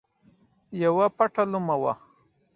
یوه پټه لومه وه.